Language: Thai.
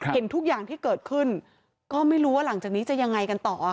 เห็นทุกอย่างที่เกิดขึ้นก็ไม่รู้ว่าหลังจากนี้จะยังไงกันต่อ